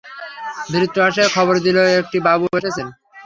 ভৃত্য আসিয়া খবর দিল, একটি বাবু এসেছেন।